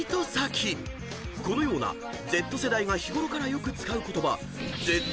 ［このようなＺ世代が日ごろからよく使う言葉］